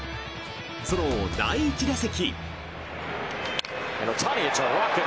その第１打席。